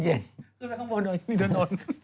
ขึ้นไปข้างบนหน่อยพี่ถนน